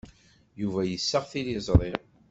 Yuba yessaɣ tiliẓri.